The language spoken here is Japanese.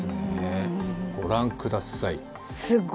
御覧ください。